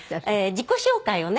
自己紹介をね